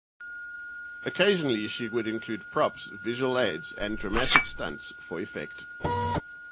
Occasionally she would include props, visual aids, and dramatic stunts for effect.